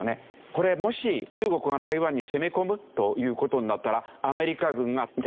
これもし中国が台湾に攻め込むという事になったらアメリカ軍が助けに行く。